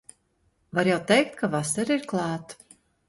Var jau teikt, ka vasara ir klāt.